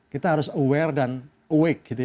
kita harus aware dan awake